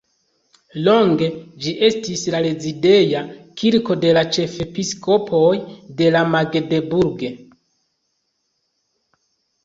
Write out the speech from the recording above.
Longe ĝi estis la rezideja kirko de la ĉefepiskopoj de Magdeburg.